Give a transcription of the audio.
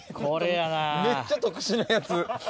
めっちゃ特殊なやつ。